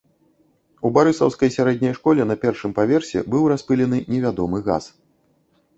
У барысаўскай сярэдняй школе на першым паверсе быў распылены невядомы газ.